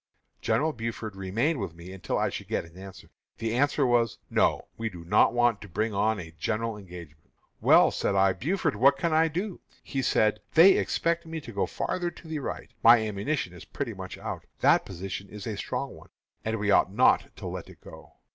General Buford remained with me until I should get an answer. The answer was, 'No; we do not want to bring on a general engagement.' 'Well,' said I, 'Buford, what can I do?' He said, 'They expect me to go farther to the right; my ammunition is pretty much out. That position is a strong one, and we ought not to let it go.'